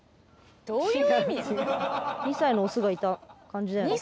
「２歳のオスがいた感じだよね」